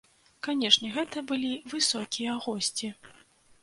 Канешне, гэта былі высокія госці.